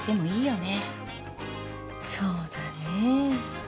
そうだねぇ。